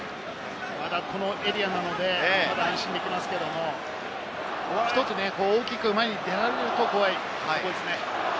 まだこのエリアなので安心できますけれども１つ前に大きく出られると怖いですね。